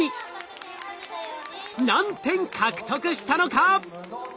何点獲得したのか？